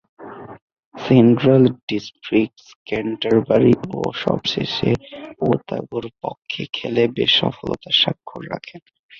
Central Districts, Canterbury ও সবশেষে ওতাগোর পক্ষে খেলে বেশ সফলতার স্বাক্ষর রাখেন।